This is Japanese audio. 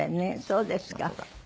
そうですか。